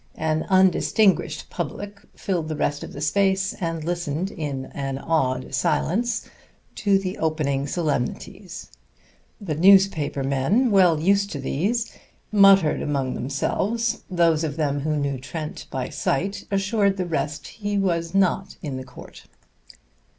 An undistinguished public filled the rest of the space, and listened, in an awed silence, to the opening solemnities. The newspaper men, well used to these, muttered among themselves. Those of them who knew Trent by sight, assured the rest that he was not in the court.